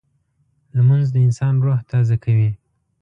لمونځ د انسان روح تازه کوي